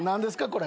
これ。